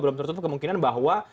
belum tertutup kemungkinan bahwa